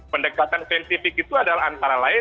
pendekatan saintifik itu adalah antara lain